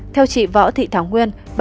theo chị võ thị thảo nguyên